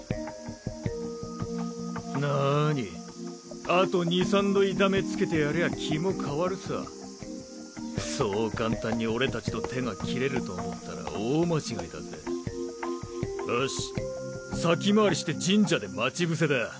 なにあと２３度痛めつけてやりゃ気も変わるさそう簡単に俺達と手が切れると思ったら大間違いだぜよし先回りして神社で待ち伏せだ。